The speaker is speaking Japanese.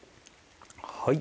はい。